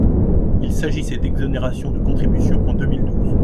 Il s’agissait d’exonération de contributions en deux mille douze.